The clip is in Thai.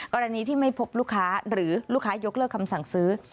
กรณีที่ไม่พบลูกค้าหรือลูกค้ายกเลิกคำสั่งซื้อ